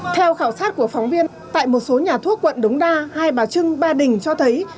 theo khảo sát của phóng viên tại một số nhà thuốc quận đống đa hai bà trưng ba đình cho thấy